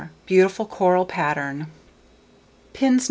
Beautiful Coral Pattern. Pins No.